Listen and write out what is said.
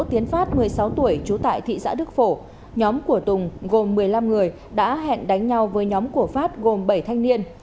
tiến phát một mươi sáu tuổi trú tại thị xã đức phổ nhóm của tùng gồm một mươi năm người đã hẹn đánh nhau với nhóm của phát gồm bảy thanh niên